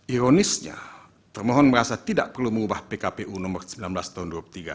ironisnya termohon merasa tidak perlu mengubah pkpu nomor sembilan belas tahun dua ribu tiga